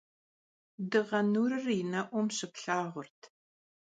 Dığe nurır yi ne'um şıplhağurt.